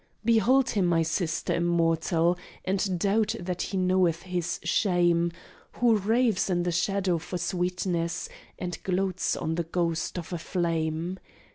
"Behold him, my Sister immortal, And doubt that he knoweth his shame, Who raves in the shadow for sweetness, And gloats on the ghost of a flame!